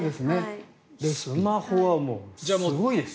スマホはすごいです。